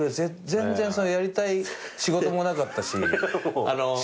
全然やりたい仕事もなかったし。